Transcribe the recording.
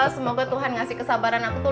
semoga tuhan ngasih kesabaran aku tuh